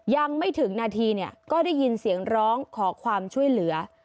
ยังไม่ถึงนาทีก็ได้ยินเสียงร้องขอความช่วยเหลือ